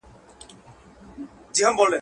پېړۍ په ویښه د کوډګرو غومبر وزنګول!